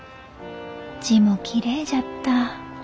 字もきれいじゃった。